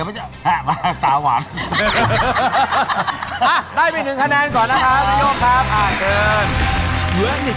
อาจจะพัฒนาไป